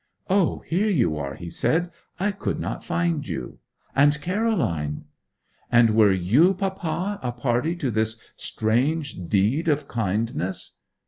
'O, here you are!' he said. 'I could not find you. And Caroline!' 'And were you, papa, a party to this strange deed of kindness?'